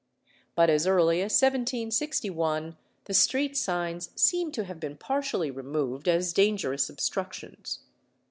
But as early as 1761 the street signs seem to have been partially removed as dangerous obstructions.